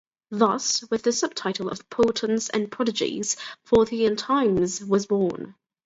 Thus, with a subtitle of "Portents and Prodigies", "Fortean Times" was born.